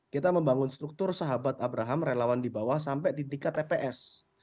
kita membangun struktur sahabat abraham relawan di bawah sampai di tingkat tps